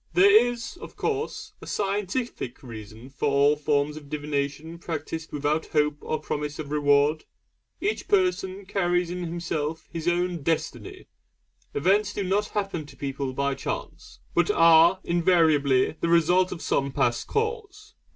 There is, of course, a scientific reason for all forms of divination practised without hope or promise of reward. Each person carries in himself his own Destiny. Events do not happen to people by chance, but are invariably the result of some past cause.